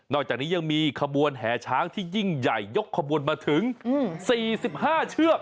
อกจากนี้ยังมีขบวนแห่ช้างที่ยิ่งใหญ่ยกขบวนมาถึง๔๕เชือก